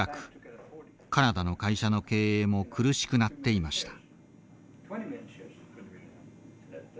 カナダの会社の経営も苦しくなっていました。